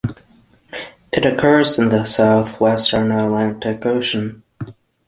It occurs in the southwestern Atlantic Ocean.